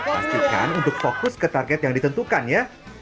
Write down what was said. pastikan untuk fokus ke target yang ditentukan ya